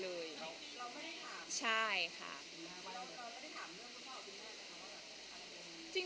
แล้วก็ไม่ได้ถามเรื่องพ่อพี่แม่ค่ะว่าแบบ